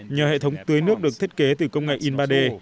nhờ hệ thống tưới nước được thiết kế từ công nghệ in ba d